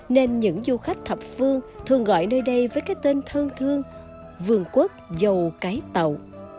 nên những du khách thập phương thường gọi nơi đây với cái tên thân thương vườn quốc dâu cái tàu